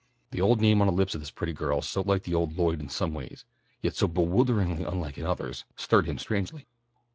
The old name on the lips of this pretty girl so like the old Lloyd in some ways, yet so bewilderingly unlike in others, stirred him strangely.